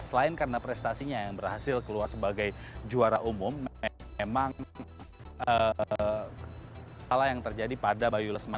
selain karena prestasinya yang berhasil keluar sebagai juara umum memang hal yang terjadi pada bayu lesman